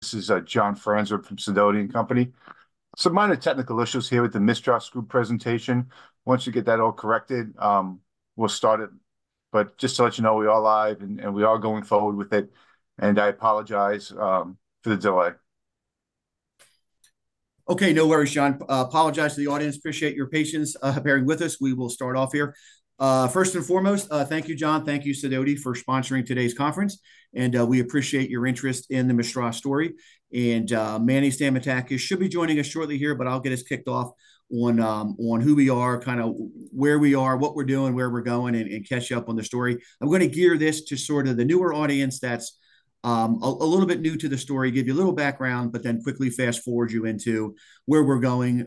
This is John Franzreb from Sidoti & Company. Some minor technical issues here with the MISTRAS Group presentation. Once you get that all corrected, we'll start it. But just to let you know, we are live, and, and we are going forward with it, and I apologize for the delay. Okay, no worries, John. Apologize to the audience. Appreciate your patience, bearing with us. We will start off here. First and foremost, thank you, John. Thank you, Sidoti, for sponsoring today's conference, and we appreciate your interest in the MISTRAS story. Manny Stamatakis should be joining us shortly here, but I'll get us kicked off on who we are, kind of where we are, what we're doing, where we're going, and catch you up on the story. I'm going to gear this to sort of the newer audience that's a little bit new to the story, give you a little background, but then quickly fast-forward you into where we're going,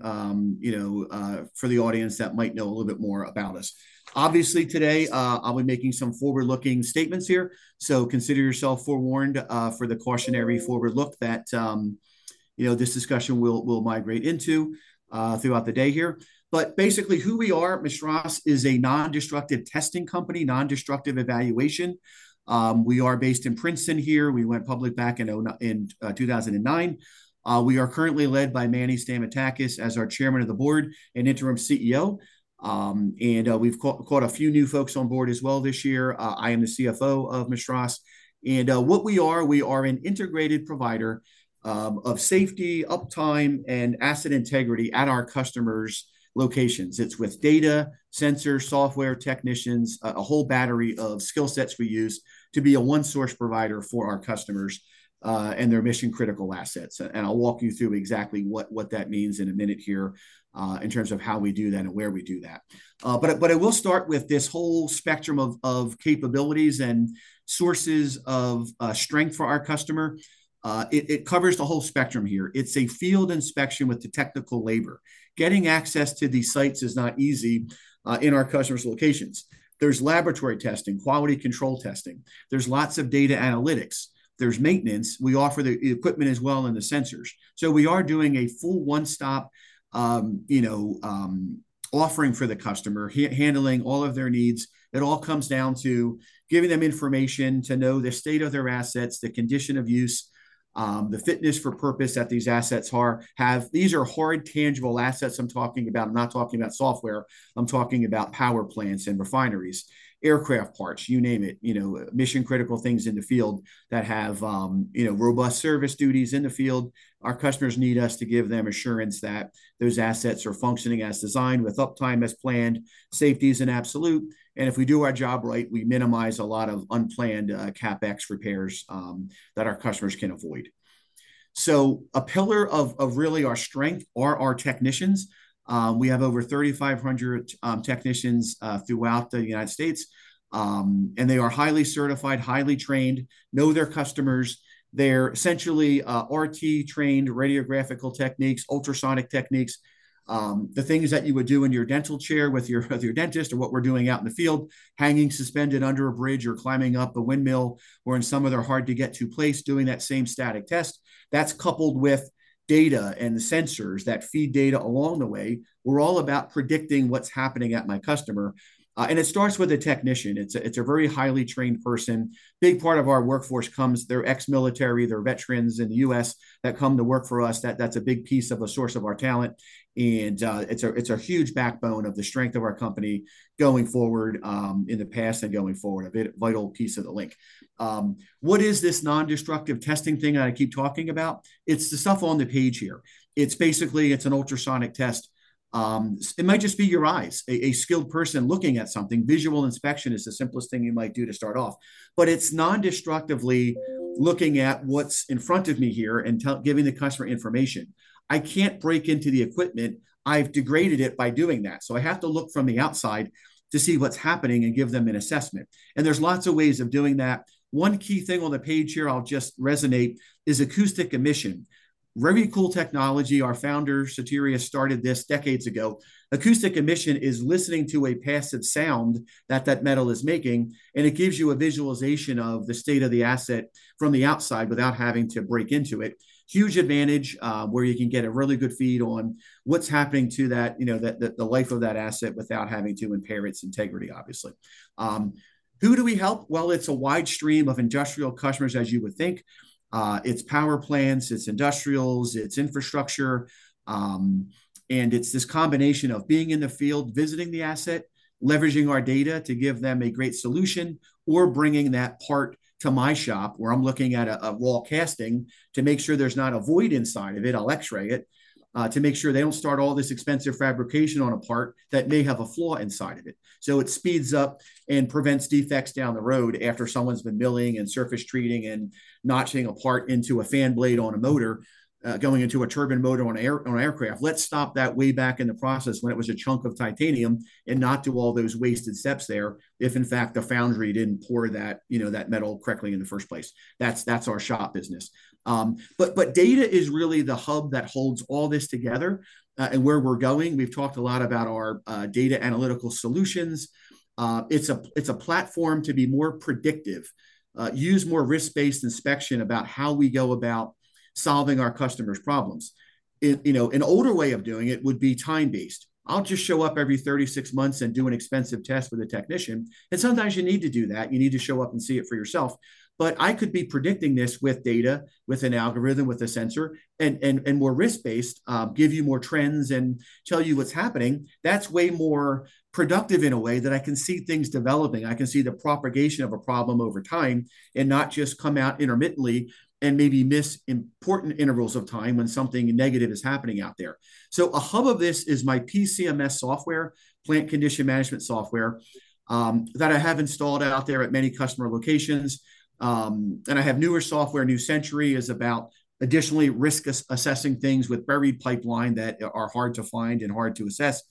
you know, for the audience that might know a little bit more about us. Obviously, today, I'll be making some forward-looking statements here, so consider yourself forewarned for the cautionary forward look that, you know, this discussion will migrate into throughout the day here. But basically, who we are, MISTRAS is a non-destructive testing company, non-destructive evaluation. We are based in Princeton here. We went public back in 2009. We are currently led by Manny Stamatakis as our Chairman of the Board and Interim CEO. And we've caught a few new folks on board as well this year. I am the CFO of MISTRAS, and what we are, we are an integrated provider of safety, uptime, and asset integrity at our customers' locations. It's with data, sensor, software, technicians, a whole battery of skill sets we use to be a one-source provider for our customers, and their mission-critical assets. And I'll walk you through exactly what that means in a minute here, in terms of how we do that and where we do that. But I will start with this whole spectrum of capabilities and sources of strength for our customer. It covers the whole spectrum here. It's a field inspection with the technical labor. Getting access to these sites is not easy, in our customers' locations. There's laboratory testing, quality control testing. There's lots of data analytics. There's maintenance. We offer the equipment as well, and the sensors. So we are doing a full one-stop, you know, offering for the customer, handling all of their needs. It all comes down to giving them information to know the state of their assets, the condition of use, the fitness for purpose that these assets are... have. These are hard, tangible assets I'm talking about. I'm not talking about software. I'm talking about power plants and refineries, aircraft parts, you name it, you know, mission-critical things in the field that have, you know, robust service duties in the field. Our customers need us to give them assurance that those assets are functioning as designed, with uptime as planned. Safety is an absolute, and if we do our job right, we minimize a lot of unplanned, CapEx repairs, that our customers can avoid. So a pillar of really our strength are our technicians. We have over 3,500 technicians throughout the United States. And they are highly certified, highly trained, know their customers. They're essentially RT trained, radiographical techniques, ultrasonic techniques. The things that you would do in your dental chair with your, with your dentist are what we're doing out in the field, hanging suspended under a bridge or climbing up a windmill, or in some other hard-to-get-to place, doing that same static test. That's coupled with data and the sensors that feed data along the way. We're all about predicting what's happening at my customer. And it starts with a technician. It's a, it's a very highly trained person. Big part of our workforce comes... They're ex-military, they're veterans in the US that come to work for us, that's a big piece of the source of our talent, and it's a huge backbone of the strength of our company going forward, in the past and going forward, a vital piece of the link. What is this non-destructive testing thing that I keep talking about? It's the stuff on the page here. It's basically an ultrasonic test. It might just be your eyes, a skilled person looking at something. Visual inspection is the simplest thing you might do to start off, but it's nondestructively looking at what's in front of me here and giving the customer information. I can't break into the equipment. I've degraded it by doing that, so I have to look from the outside to see what's happening and give them an assessment. There's lots of ways of doing that. One key thing on the page here I'll just resonate is Acoustic Emission. Very cool technology. Our founder, Sotirios, started this decades ago. Acoustic Emission is listening to a passive sound that that metal is making, and it gives you a visualization of the state of the asset from the outside without having to break into it. Huge advantage, where you can get a really good read on what's happening to that, you know, the, the, the life of that asset without having to impair its integrity, obviously. Who do we help? Well, it's a wide stream of industrial customers, as you would think. It's power plants, it's industrials, it's infrastructure, and it's this combination of being in the field, visiting the asset, leveraging our data to give them a great solution, or bringing that part to my shop, where I'm looking at a raw casting to make sure there's not a void inside of it. I'll X-ray it, to make sure they don't start all this expensive fabrication on a part that may have a flaw inside of it. So it speeds up and prevents defects down the road after someone's been milling and surface treating and notching a part into a fan blade on a motor, going into a turbine motor on an aircraft. Let's stop that way back in the process when it was a chunk of titanium and not do all those wasted steps there, if in fact, the foundry didn't pour that, you know, that metal correctly in the first place. That's our shop business. But data is really the hub that holds all this together, and where we're going. We've talked a lot about our data analytical solutions. It's a platform to be more predictive, use more risk-based inspection about how we go about solving our customers' problems. It, you know, an older way of doing it would be time-based. I'll just show up every 36 months and do an expensive test with a technician. And sometimes you need to do that. You need to show up and see it for yourself. But I could be predicting this with data, with an algorithm, with a sensor, and more risk-based, give you more trends and tell you what's happening. That's way more productive in a way that I can see things developing. I can see the propagation of a problem over time and not just come out intermittently and maybe miss important intervals of time when something negative is happening out there. So a hub of this is my PCMS software, Plant Condition Management Software, that I have installed out there at many customer locations. I have newer software. New Century is about additionally risk assessing things with buried pipeline that are hard to find and hard to assess.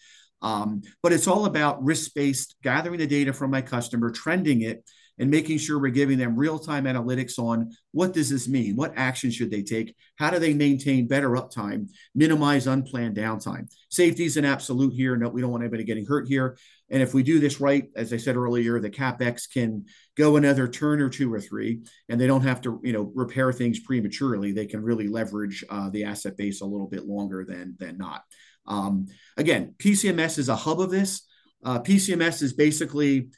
But it's all about risk-based, gathering the data from my customer, trending it, and making sure we're giving them real-time analytics on what does this mean? What action should they take? How do they maintain better uptime, minimize unplanned downtime? Safety is an absolute here. No, we don't want anybody getting hurt here, and if we do this right, as I said earlier, the CapEx can go another turn or two or three, and they don't have to, you know, repair things prematurely. They can really leverage the asset base a little bit longer than not. Again, PCMS is a hub of this. PCMS is basically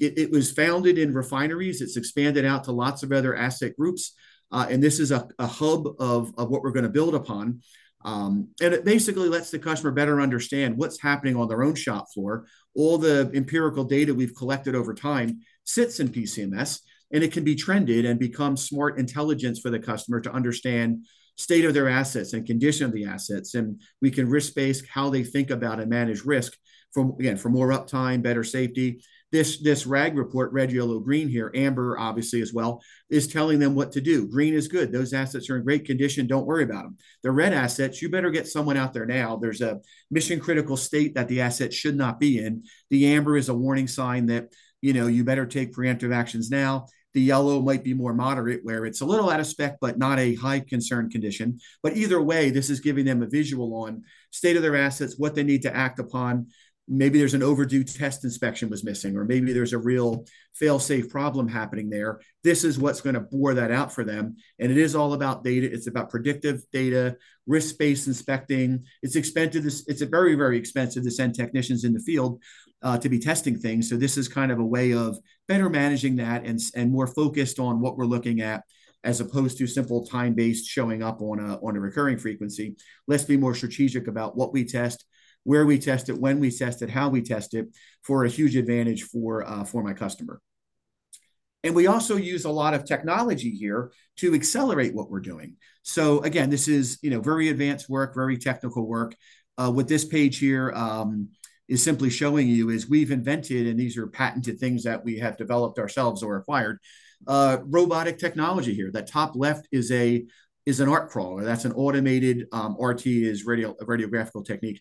it was founded in refineries, it's expanded out to lots of other asset groups. And this is a hub of what we're going to build upon. And it basically lets the customer better understand what's happening on their own shop floor. All the empirical data we've collected over time sits in PCMS, and it can be trended and become smart intelligence for the customer to understand state of their assets and condition of the assets, and we can risk-base how they think about and manage risk from, again, for more uptime, better safety. This, this RAG report, red, yellow, green here, amber obviously as well, is telling them what to do. Green is good, those assets are in great condition, don't worry about them. The red assets, you better get someone out there now, there's a mission-critical state that the asset should not be in. The amber is a warning sign that, you know, you better take preemptive actions now. The yellow might be more moderate, where it's a little out of spec, but not a high concern condition. But either way, this is giving them a visual on state of their assets, what they need to act upon. Maybe there's an overdue test inspection was missing, or maybe there's a real fail-safe problem happening there. This is what's going to bear that out for them, and it is all about data. It's about predictive data, risk-based inspecting. It's expensive. It's very, very expensive to send technicians in the field to be testing things, so this is kind of a way of better managing that and more focused on what we're looking at, as opposed to simple time-based showing up on a recurring frequency. Let's be more strategic about what we test, where we test it, when we test it, how we test it, for a huge advantage for my customer. And we also use a lot of technology here to accelerate what we're doing. So again, this is, you know, very advanced work, very technical work. What this page here is simply showing you is we've invented, and these are patented things that we have developed ourselves or acquired, robotic technology here. That top left is an RT crawler, that's an automated, RT is radiographic technique,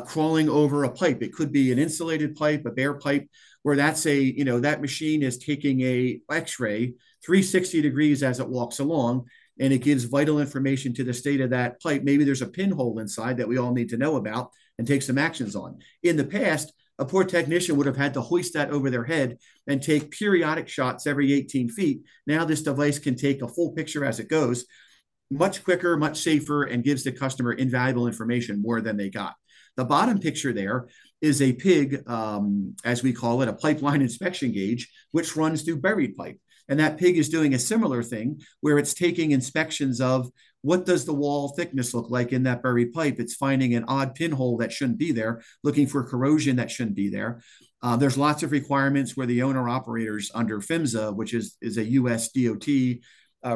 crawling over a pipe. It could be an insulated pipe, a bare pipe, where that's a... You know, that machine is taking an X-ray 360 degrees as it walks along, and it gives vital information to the state of that pipe. Maybe there's a pinhole inside that we all need to know about and take some actions on. In the past, a poor technician would have had to hoist that over their head and take periodic shots every 18 feet. Now, this device can take a full picture as it goes, much quicker, much safer, and gives the customer invaluable information, more than they got. The bottom picture there is a PIG, as we call it, a pipeline inspection gauge, which runs through buried pipe. That PIG is doing a similar thing, where it's taking inspections of: what does the wall thickness look like in that buried pipe? It's finding an odd pinhole that shouldn't be there, looking for corrosion that shouldn't be there. There's lots of requirements where the owner/operators under PHMSA, which is a U.S. DOT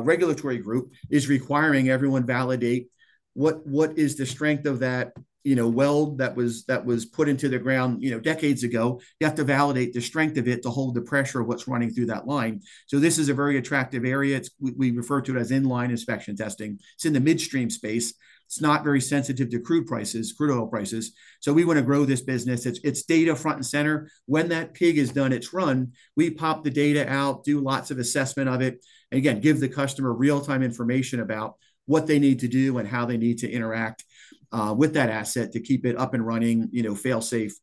regulatory group, is requiring everyone validate what is the strength of that, you know, weld that was put into the ground, you know, decades ago. You have to validate the strength of it to hold the pressure of what's running through that line. So this is a very attractive area. We refer to it as in-line inspection testing. It's in the midstream space. It's not very sensitive to crude prices, crude oil prices, so we want to grow this business. It's data front and center. When that PIG has done its run, we pop the data out, do lots of assessment of it, and again, give the customer real-time information about what they need to do and how they need to interact with that asset to keep it up and running, you know, fail-safe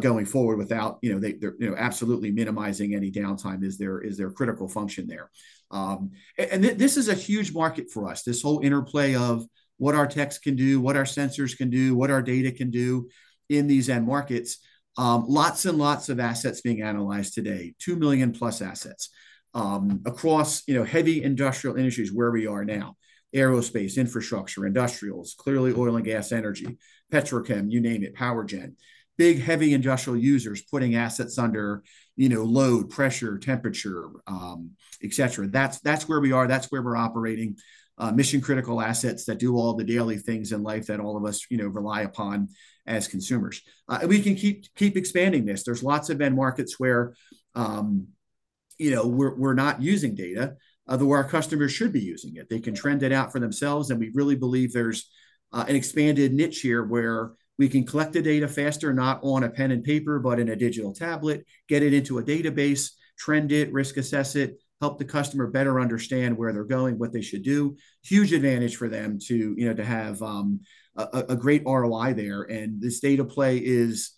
going forward without, you know, they're, you know, absolutely minimizing any downtime is their critical function there. And this is a huge market for us, this whole interplay of what our techs can do, what our sensors can do, what our data can do in these end markets. Lots and lots of assets being analyzed today, 2 million plus assets across, you know, heavy industrial industries, where we are now. Aerospace, infrastructure, industrials, clearly oil and gas, energy, petrochem, you name it, power gen. Big, heavy industrial users putting assets under, you know, load, pressure, temperature, et cetera. That's, that's where we are, that's where we're operating, mission-critical assets that do all the daily things in life that all of us, you know, rely upon as consumers. We can keep, keep expanding this. There's lots of end markets where, you know, we're, we're not using data, though our customers should be using it. They can trend it out for themselves, and we really believe there's, an expanded niche here where we can collect the data faster, not on a pen and paper, but in a digital tablet. Get it into a database, trend it, risk assess it, help the customer better understand where they're going, what they should do. Huge advantage for them to, you know, to have, a great ROI there. This data play is,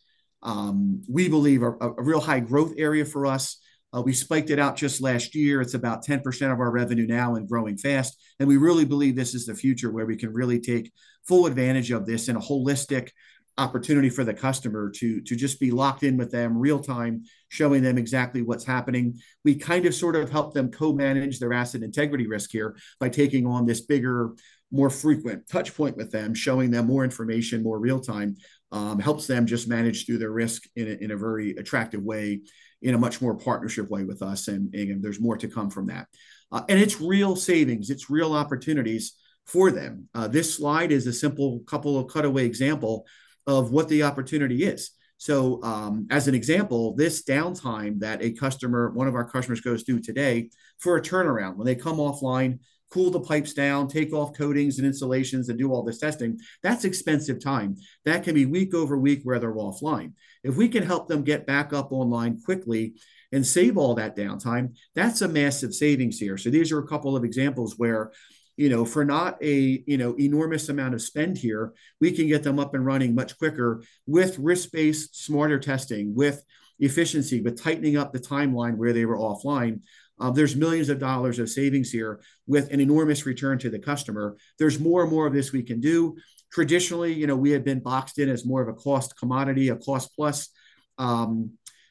we believe, a real high-growth area for us. We spiked it out just last year. It's about 10% of our revenue now and growing fast, and we really believe this is the future where we can really take full advantage of this in a holistic opportunity for the customer to just be locked in with them real time, showing them exactly what's happening. We kind of sort of help them co-manage their asset integrity risk here by taking on this bigger, more frequent touchpoint with them, showing them more information, more real time, helps them just manage through their risk in a, in a very attractive way, in a much more partnership way with us, and there's more to come from that. It's real savings, it's real opportunities for them. This slide is a simple couple of cutaway example of what the opportunity is. So, as an example, this downtime that a customer- one of our customers goes through today for a turnaround, when they come offline, cool the pipes down, take off coatings and insulations, and do all this testing, that's expensive time. That can be week over week where they're offline. If we can help them get back up online quickly and save all that downtime, that's a massive savings here. So these are a couple of examples where, you know, for not a, you know, enormous amount of spend here, we can get them up and running much quicker with risk-based, smarter testing, with efficiency, with tightening up the timeline where they were offline. There's millions of dollars of savings here with an enormous return to the customer. There's more and more of this we can do. Traditionally, you know, we had been boxed in as more of a cost commodity, a cost-plus,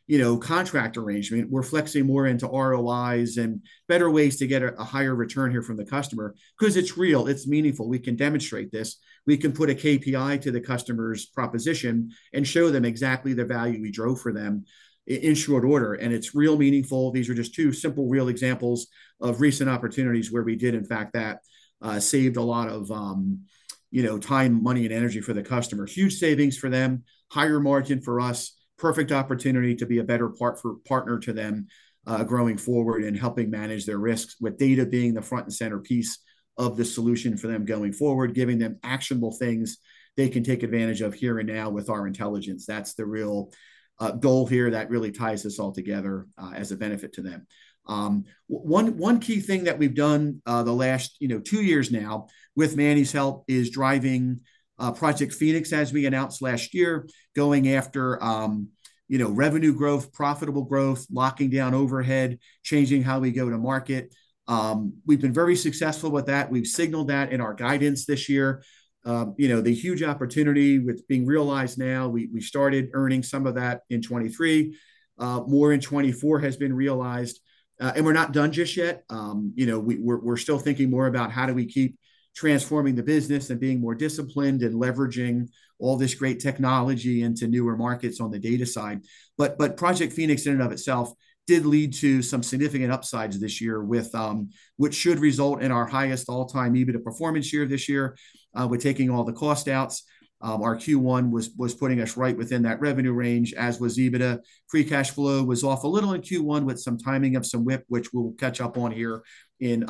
you know, contract arrangement. We're flexing more into ROIs and better ways to get a higher return here from the customer, 'cause it's real, it's meaningful, we can demonstrate this. We can put a KPI to the customer's proposition and show them exactly the value we drove for them in short order, and it's real meaningful. These are just two simple, real examples of recent opportunities where we did in fact that, saved a lot of, you know, time, money, and energy for the customer. Huge savings for them, higher margin for us, perfect opportunity to be a better partner to them, growing forward and helping manage their risks, with data being the front and center piece.... of the solution for them going forward, giving them actionable things they can take advantage of here and now with our intelligence. That's the real goal here that really ties us all together as a benefit to them. One key thing that we've done the last, you know, two years now, with Manny's help, is driving Project Phoenix, as we announced last year, going after, you know, revenue growth, profitable growth, locking down overhead, changing how we go to market. We've been very successful with that. We've signaled that in our guidance this year. You know, the huge opportunity, which being realized now, we started earning some of that in 2023, more in 2024 has been realized. And we're not done just yet. You know, we're still thinking more about how do we keep transforming the business and being more disciplined, and leveraging all this great technology into newer markets on the data side. But Project Phoenix in and of itself did lead to some significant upsides this year with which should result in our highest all-time EBITDA performance year this year. We're taking all the cost outs. Our Q1 was putting us right within that revenue range, as was EBITDA. Free cash flow was off a little in Q1 with some timing of some WIP, which we'll catch up on here in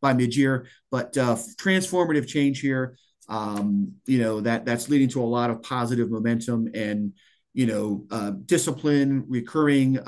by mid-year. But transformative change here, you know, that's leading to a lot of positive momentum and, you know, discipline, recurring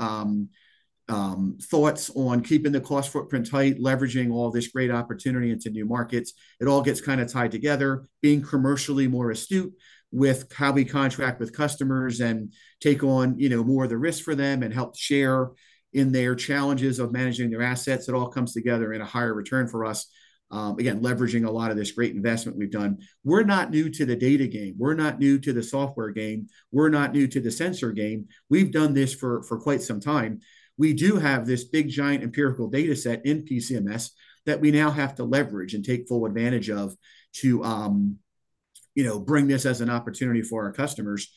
thoughts on keeping the cost footprint tight, leveraging all this great opportunity into new markets. It all gets kind of tied together, being commercially more astute with how we contract with customers and take on, you know, more of the risk for them, and help share in their challenges of managing their assets. It all comes together in a higher return for us. Again, leveraging a lot of this great investment we've done. We're not new to the data game. We're not new to the software game. We're not new to the sensor game. We've done this for quite some time. We do have this big, giant empirical data set in PCMS that we now have to leverage and take full advantage of to, you know, bring this as an opportunity for our customers.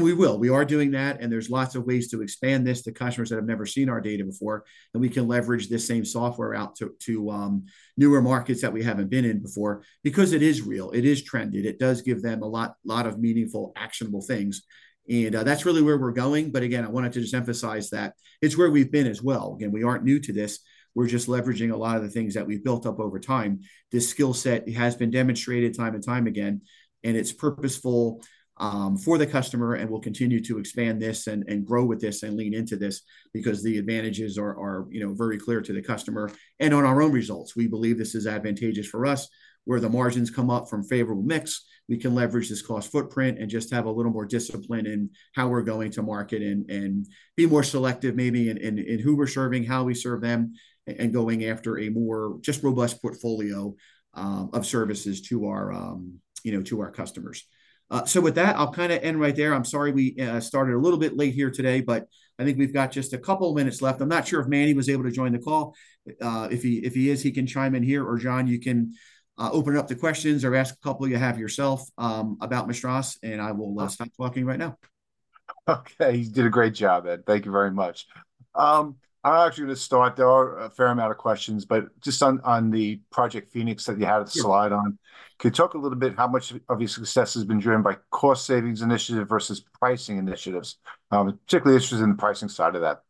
We will. We are doing that, and there's lots of ways to expand this to customers that have never seen our data before, and we can leverage this same software out to, to, newer markets that we haven't been in before because it is real, it is trended. It does give them a lot, lot of meaningful, actionable things. That's really where we're going, but again, I wanted to just emphasize that it's where we've been as well. Again, we aren't new to this. We're just leveraging a lot of the things that we've built up over time. This skill set has been demonstrated time and time again, and it's purposeful for the customer, and we'll continue to expand this, and grow with this, and lean into this because the advantages are, you know, very clear to the customer. And on our own results, we believe this is advantageous for us. Where the margins come up from favorable mix, we can leverage this cost footprint and just have a little more discipline in how we're going to market, and be more selective maybe in who we're serving, how we serve them, and going after a more just robust portfolio of services to our, you know, to our customers. So with that, I'll kind of end right there. I'm sorry we started a little bit late here today, but I think we've got just a couple of minutes left. I'm not sure if Manny was able to join the call. If he is, he can chime in here, or John, you can open it up to questions or ask a couple you have yourself, about MISTRAS, and I will stop talking right now. Okay, you did a great job, Ed. Thank you very much. I'm actually going to start. There are a fair amount of questions, but just on, on the Project Phoenix that you had a slide on- Sure.... could you talk a little bit how much of your success has been driven by cost savings initiative versus pricing initiatives? Particularly interested in the pricing side of that.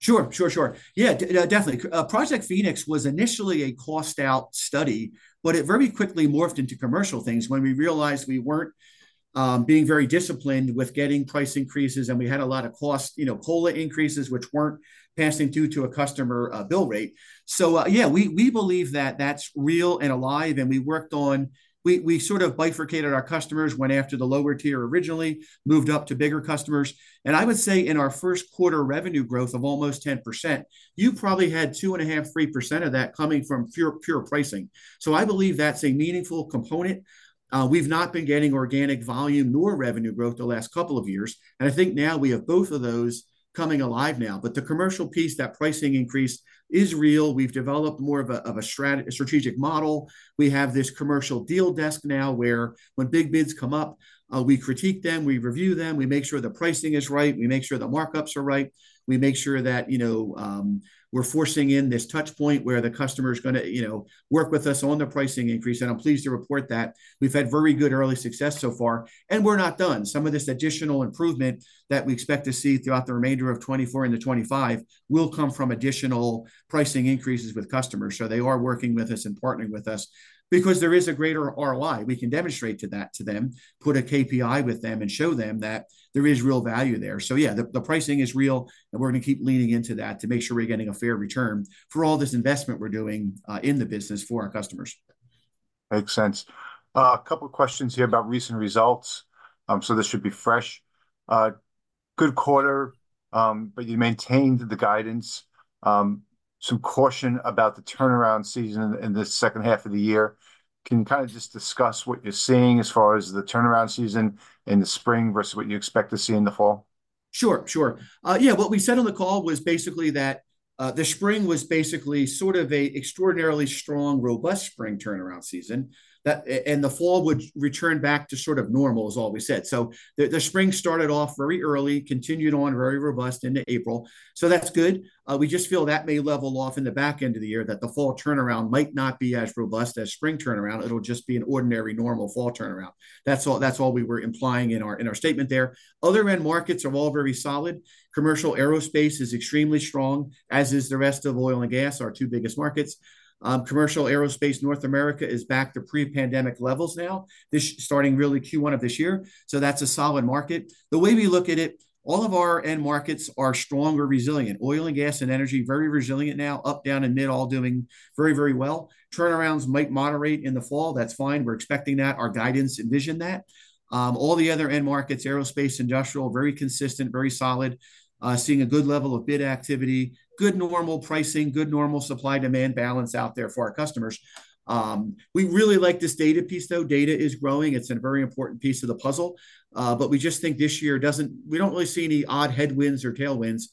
Sure, sure, sure. Yeah, definitely. Project Phoenix was initially a cost-out study, but it very quickly morphed into commercial things when we realized we weren't being very disciplined with getting price increases, and we had a lot of costs, you know, COLA increases, which weren't passing through to a customer bill rate. So, yeah, we believe that that's real and alive, and we worked on... We sort of bifurcated our customers, went after the lower tier originally, moved up to bigger customers, and I would say in our first quarter revenue growth of almost 10%, you probably had 2.5%-3% of that coming from pure, pure pricing. So I believe that's a meaningful component. We've not been getting organic volume nor revenue growth the last couple of years, and I think now we have both of those coming alive now. But the commercial piece, that pricing increase, is real. We've developed more of a strategic model. We have this commercial deal desk now, where when big bids come up, we critique them, we review them, we make sure the pricing is right, we make sure the markups are right, we make sure that, you know, we're forcing in this touch point where the customer's gonna, you know, work with us on the pricing increase. And I'm pleased to report that we've had very good early success so far, and we're not done. Some of this additional improvement that we expect to see throughout the remainder of 2024 and to 2025 will come from additional pricing increases with customers. So they are working with us and partnering with us because there is a greater ROI. We can demonstrate to that- to them, put a KPI with them, and show them that there is real value there. So yeah, the pricing is real, and we're gonna keep leaning into that to make sure we're getting a fair return for all this investment we're doing in the business for our customers. Makes sense. A couple of questions here about recent results, so this should be fresh. Good quarter, but you maintained the guidance. Some caution about the turnaround season in the second half of the year. Can you kind of just discuss what you're seeing as far as the turnaround season in the spring versus what you expect to see in the fall? Sure, sure. Yeah, what we said on the call was basically that the spring was basically sort of an extraordinarily strong, robust spring turnaround season. That, and the fall would return back to sort of normal, is all we said. So the spring started off very early, continued on very robust into April, so that's good. We just feel that may level off in the back end of the year, that the fall turnaround might not be as robust as spring turnaround. It'll just be an ordinary, normal fall turnaround. That's all, that's all we were implying in our statement there. Other end markets are all very solid. Commercial aerospace is extremely strong, as is the rest of oil and gas, our two biggest markets. Commercial aerospace North America is back to pre-pandemic levels now, starting really Q1 of this year, so that's a solid market. The way we look at it, all of our end markets are strong or resilient. Oil and gas and energy, very resilient now, up, down, and mid, all doing very, very well. Turnarounds might moderate in the fall. That's fine. We're expecting that. Our guidance envisioned that. All the other end markets, aerospace, industrial, very consistent, very solid, seeing a good level of bid activity, good normal pricing, good normal supply-demand balance out there for our customers. We really like this data piece, though. Data is growing. It's a very important piece of the puzzle. But we just think this year doesn't, we don't really see any odd headwinds or tailwinds,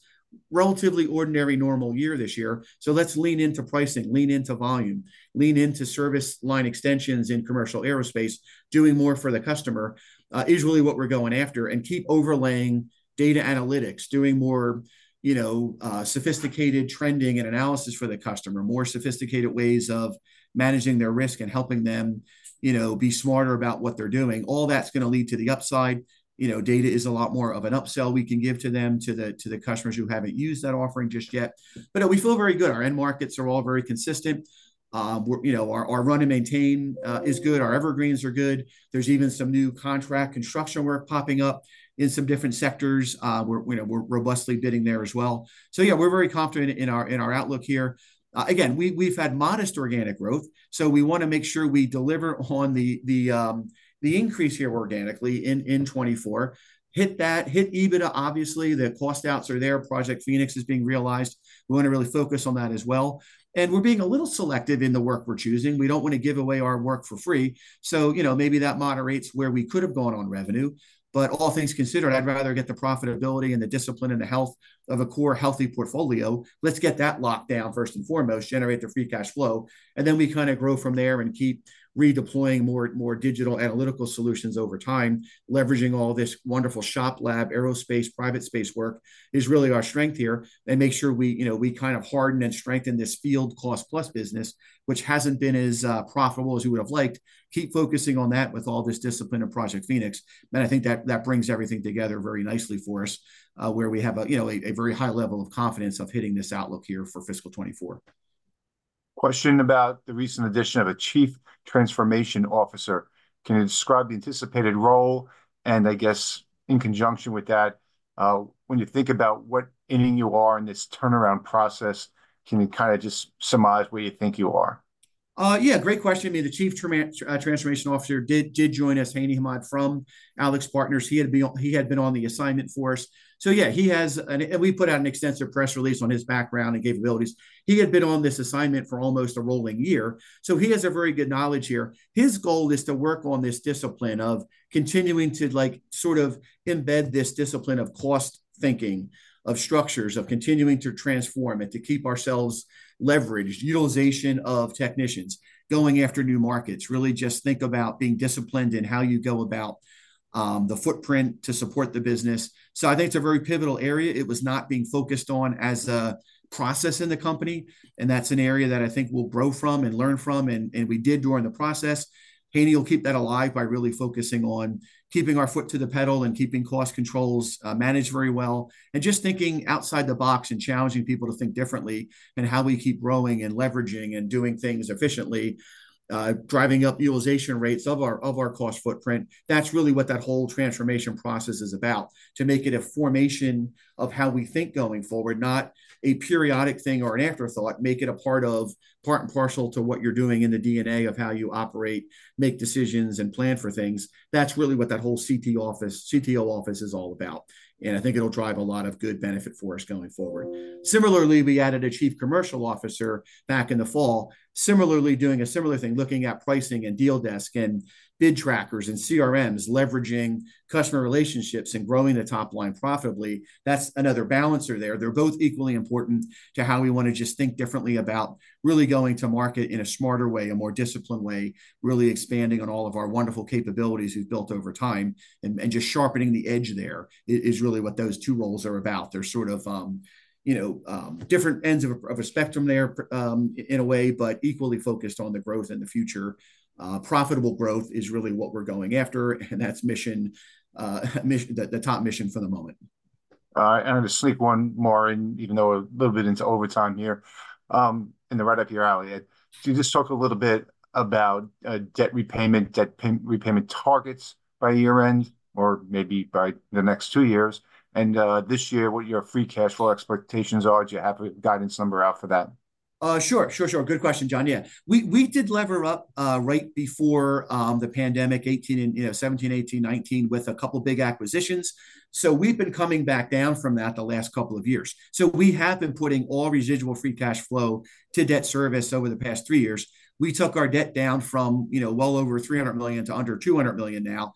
relatively ordinary normal year this year. So let's lean into pricing, lean into volume, lean into service line extensions in commercial aerospace. Doing more for the customer is really what we're going after, and keep overlaying data analytics, doing more, you know, sophisticated trending and analysis for the customer, more sophisticated ways of managing their risk and helping them, you know, be smarter about what they're doing. All that's gonna lead to the upside. You know, data is a lot more of an upsell we can give to them, to the, to the customers who haven't used that offering just yet. But we feel very good. Our end markets are all very consistent. We're, you know, our, our run-and-maintain is good. Our evergreens are good. There's even some new contract construction work popping up in some different sectors. We're, you know, we're robustly bidding there as well. So yeah, we're very confident in our, in our outlook here. Again, we, we've had modest organic growth, so we want to make sure we deliver on the increase here organically in 2024. Hit that, hit EBITDA. Obviously, the cost outs are there. Project Phoenix is being realized. We want to really focus on that as well, and we're being a little selective in the work we're choosing. We don't want to give away our work for free. So, you know, maybe that moderates where we could have gone on revenue, but all things considered, I'd rather get the profitability and the discipline and the health of a core healthy portfolio. Let's get that locked down first and foremost, generate the free cash flow, and then we kind of grow from there and keep redeploying more, more digital analytical solutions over time. Leveraging all this wonderful shop lab, aerospace, private space work is really our strength here. And make sure we, you know, we kind of harden and strengthen this field cost-plus business, which hasn't been as profitable as we would've liked. Keep focusing on that with all this discipline and Project Phoenix, and I think that brings everything together very nicely for us, where we have a, you know, a very high level of confidence of hitting this outlook here for fiscal 2024. Question about the recent addition of a chief transformation officer. Can you describe the anticipated role? And I guess, in conjunction with that, when you think about what inning you are in this turnaround process, can you kind of just surmise where you think you are? Yeah, great question. I mean, the chief transformation officer did join us, Hani Hammad, from AlixPartners. He had been on the assignment for us. So yeah, he has... And we put out an extensive press release on his background and capabilities. He had been on this assignment for almost a rolling year, so he has a very good knowledge here. His goal is to work on this discipline of continuing to, like, sort of embed this discipline of cost thinking, of structures, of continuing to transform and to keep ourselves leveraged, utilization of technicians, going after new markets. Really just think about being disciplined in how you go about the footprint to support the business. So I think it's a very pivotal area. It was not being focused on as a process in the company, and that's an area that I think we'll grow from and learn from, and, and we did during the process. Hani will keep that alive by really focusing on keeping our foot to the pedal and keeping cost controls, managed very well, and just thinking outside the box and challenging people to think differently, and how we keep growing and leveraging and doing things efficiently, driving up utilization rates of our, of our cost footprint. That's really what that whole transformation process is about, to make it a formation of how we think going forward, not a periodic thing or an afterthought. Make it a part of, part and parcel to what you're doing in the DNA of how you operate, make decisions, and plan for things. That's really what that whole CT office- CTO office is all about, and I think it'll drive a lot of good benefit for us going forward. Similarly, we added a chief commercial officer back in the fall, similarly doing a similar thing, looking at pricing and deal desk and bid trackers and CRMs, leveraging customer relationships and growing the top line profitably. That's another balancer there. They're both equally important to how we want to just think differently about really going to market in a smarter way, a more disciplined way, really expanding on all of our wonderful capabilities we've built over time. And, and just sharpening the edge there is, is really what those two roles are about. They're sort of, you know, different ends of a, of a spectrum there, in a way, but equally focused on the growth and the future. Profitable growth is really what we're going after, and that's the top mission for the moment. And I'm gonna sneak one more in, even though we're a little bit into overtime here, and they're right up your alley. Can you just talk a little bit about debt repayment, repayment targets by year-end, or maybe by the next two years, and this year, what your free cash flow expectations are? Do you have a guidance number out for that? Sure. Sure, sure. Good question, John. Yeah, we, we did lever up, right before the pandemic, 2018 and, you know, 2017, 2018, 2019, with a couple big acquisitions. So we've been coming back down from that the last couple of years. So we have been putting all residual free cash flow to debt service over the past three years. We took our debt down from, you know, well over $300 million to under $200 million now,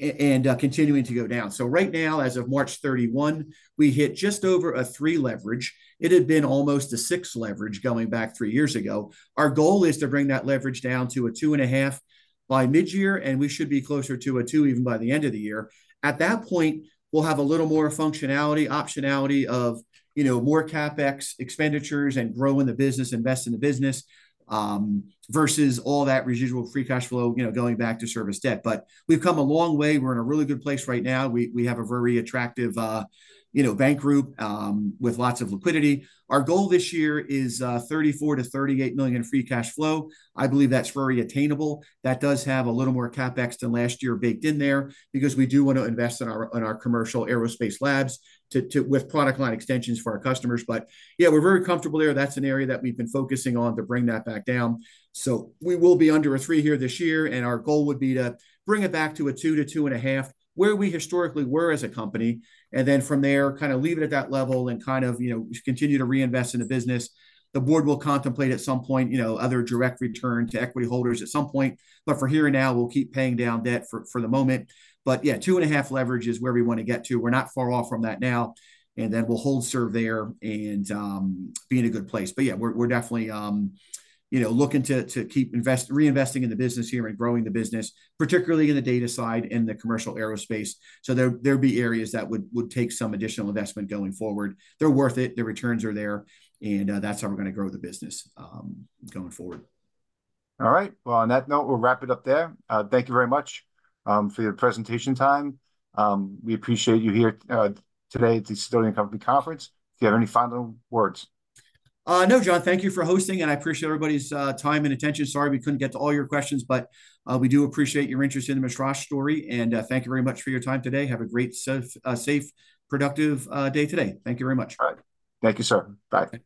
and continuing to go down. So right now, as of March 31, we hit just over a 3 leverage. It had been almost a 6 leverage going back three years ago. Our goal is to bring that leverage down to a 2.5 by mid-year, and we should be closer to a 2 even by the end of the year. At that point, we'll have a little more functionality, optionality of, you know, more CapEx expenditures and growing the business, invest in the business, versus all that residual free cash flow, you know, going back to service debt. But we've come a long way. We're in a really good place right now. We have a very attractive, you know, bank group with lots of liquidity. Our goal this year is $34 million-$38 million in free cash flow. I believe that's very attainable. That does have a little more CapEx than last year baked in there, because we do want to invest in our, in our commercial aerospace labs to with product line extensions for our customers. But yeah, we're very comfortable there. That's an area that we've been focusing on to bring that back down. So we will be under a 3 here this year, and our goal would be to bring it back to a 2-2.5, where we historically were as a company, and then from there, kind of leave it at that level and kind of, you know, continue to reinvest in the business. The board will contemplate at some point, you know, other direct return to equity holders at some point, but for here and now, we'll keep paying down debt for, for the moment. But yeah, 2.5 leverage is where we want to get to. We're not far off from that now, and then we'll hold serve there and be in a good place. But yeah, we're definitely, you know, looking to keep reinvesting in the business here and growing the business, particularly in the data side and the commercial aerospace. So there'll be areas that would take some additional investment going forward. They're worth it, the returns are there, and that's how we're gonna grow the business going forward. All right. Well, on that note, we'll wrap it up there. Thank you very much for your presentation time. We appreciate you here today at the Sidoti & Company Conference. Do you have any final words? No, John. Thank you for hosting, and I appreciate everybody's time and attention. Sorry we couldn't get to all your questions, but we do appreciate your interest in the MISTRAS story, and thank you very much for your time today. Have a great, safe, productive day today. Thank you very much. All right. Thank you, sir. Bye.